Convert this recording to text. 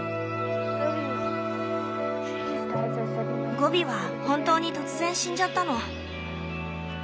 ゴビは本当に突然死んじゃったの。